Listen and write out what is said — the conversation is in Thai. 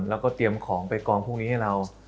แล้วก็เตรียมของไปกองพวกนี้ให้เรา